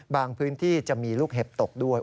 พื้นที่จะมีลูกเห็บตกด้วย